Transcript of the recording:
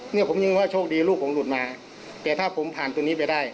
เนี่ยผมยังว่าโชคดีลูกผมหลุดมาแต่ถ้าผมผ่านตัวนี้ไปได้